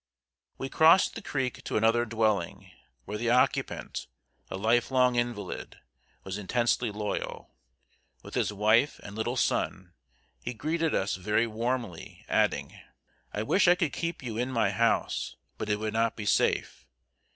] We crossed the creek to another dwelling, where the occupant, a life long invalid, was intensely loyal. With his wife and little son, he greeted us very warmly, adding: "I wish I could keep you in my house; but it would not be safe.